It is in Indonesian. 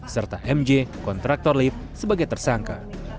serta mj kontraktor lift sebagai tersangka